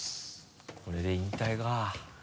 これで引退か。